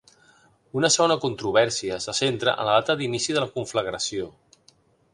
Una segona controvèrsia se centra en la data d'inici de la conflagració.